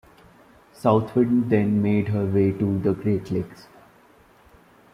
"Southwind" then made her way to the Great Lakes.